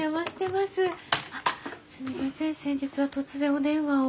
すみません先日は突然お電話を。